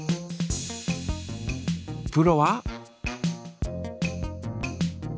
プロは？